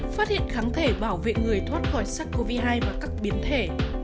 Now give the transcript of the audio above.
phát hiện kháng thể bảo vệ người thoát khỏi sars cov hai và các biến thể